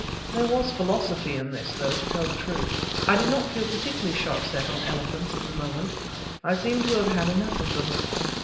There was philosophy in this, though, to tell the truth, I did not feel particularly sharp set on elephants at the moment. I seemed to have had enough of them.